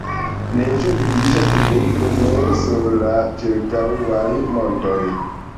Neĝo vidiĝas vintre nur sur la ĉirkaŭaj montoj.